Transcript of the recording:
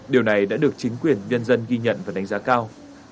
điều này đã được chính quyền nhân dân ghi nhận và đánh giá cao